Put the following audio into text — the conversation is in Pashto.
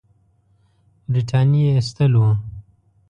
برټانیې ایستل وو.